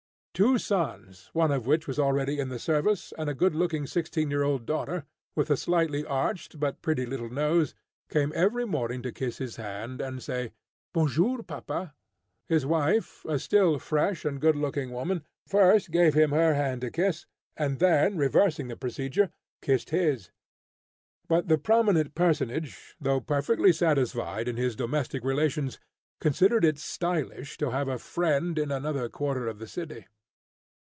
Two sons, one of whom was already in the service, and a good looking, sixteen year old daughter, with a slightly arched but pretty little nose, came every morning to kiss his hand and say, "Bon jour, papa." His wife, a still fresh and good looking woman, first gave him her hand to kiss, and then, reversing the procedure, kissed his. But the prominent personage, though perfectly satisfied in his domestic relations, considered it stylish to have a friend in another quarter of the city.